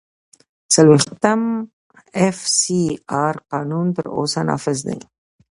د څلوېښتم اېف سي آر قانون تر اوسه نافذ دی.